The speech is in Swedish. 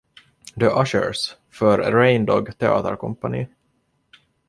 “The Ushers“ för Rain Dog teaterkompani.